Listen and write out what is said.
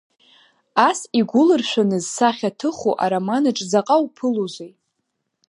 Ас игәылыршәаны зсахьа ҭыху ароманаҿ заҟа уԥылоузеи!